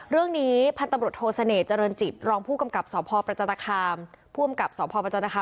เรื่องนี้พันตำรวจโทเสน่หเจริญจิตรองผู้กำกับสพประจันตคามผู้อำกับสพประจันตคาม